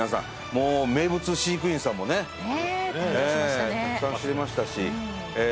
もう名物飼育員さんもねねえええたくさん知れましたしええ